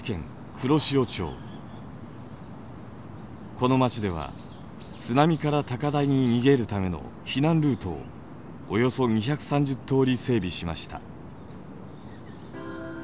この町では津波から高台に逃げるための避難ルートをおよそ２３０とおり整備しました。